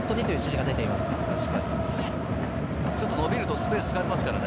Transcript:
確かにちょっと伸びるとスペースを使いますからね。